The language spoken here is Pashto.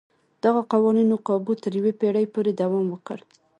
دغو قوانینو کابو تر یوې پېړۍ پورې دوام وکړ.